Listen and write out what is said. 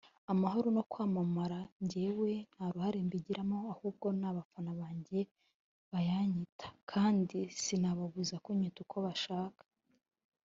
amahoro no kwamamara njyewe nta ruhare mbigiramo ahubw ni abafana banjye bayanyita kandi sinababuza kunyita uko bashaka”